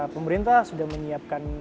pemerintah sudah menyiapkan